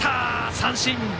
三振！